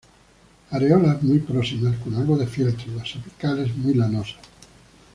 Areolas muy próximas, con algo de fieltro, las apicales muy lanosas.